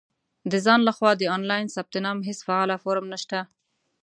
• د ځان له خوا د آنلاین ثبت نام هېڅ فعاله فورم نشته.